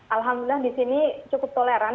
alhamdulillah disini cukup toleran